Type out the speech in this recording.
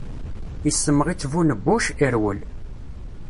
Issemɣi-tt bu nnbuc, irwel.